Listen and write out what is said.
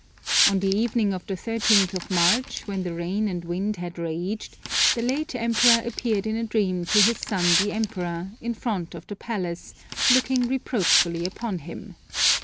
On the evening of the thirteenth of March, when the rain and wind had raged, the late Emperor appeared in a dream to his son the Emperor, in front of the palace, looking reproachfully upon him.